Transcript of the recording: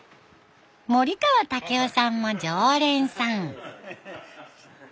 森川武夫さんも常連さん。